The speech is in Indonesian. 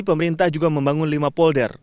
pemerintah juga membangun lima polder